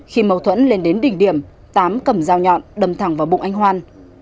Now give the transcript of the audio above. khi mâu thuẫn lên đến đỉnh điểm tám cầm dao nhọn đâm thẳng vào bụng anh hoan